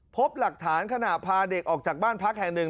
พบหลักฐานขณะพาเด็กออกจากบ้านพักแห่งหนึ่ง